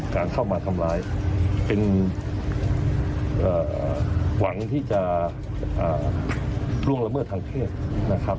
การเข้ามาทำร้ายเป็นหวังที่จะล่วงละเมิดทางเพศนะครับ